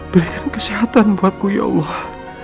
berikan kesehatan buatku ya allah